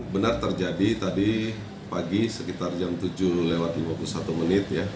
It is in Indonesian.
benar terjadi tadi pagi sekitar jam tujuh lewat lima puluh satu menit ya